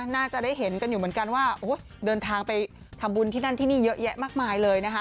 น่าจะได้เห็นกันอยู่เหมือนกันว่าเดินทางไปทำบุญที่นั่นที่นี่เยอะแยะมากมายเลยนะคะ